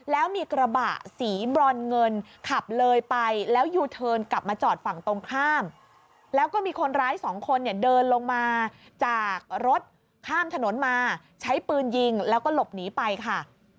แล้วมีกระบะสีบรอนเงินขับเลยไปแล้วยูเทิร์นกลับมาจอดฝั่งตรงข้ามแล้วก็มีคนร้ายสองคนเนี่ยเดินลงมาจากรถข้ามถนนมาใช้ปืนยิงแล้วก็หลบหนีไปค่ะ